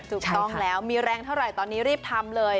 ถูกต้องแล้วมีแรงเท่าไหร่ตอนนี้รีบทำเลย